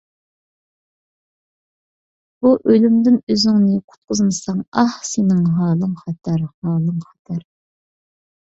بۇ ئۆلۈمدىن ئۆزۈڭنى قۇتقۇزمىساڭ، ئاھ، سېنىڭ ھالىڭ خەتەر، ھالىڭ خەتەر.